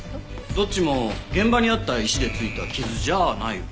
どっちも現場にあった石でついた傷じゃないよ。